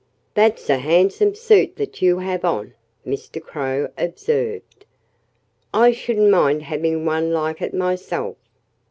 "That's a handsome suit that you have on," Mr. Crow observed. "I shouldn't mind having one like it myself."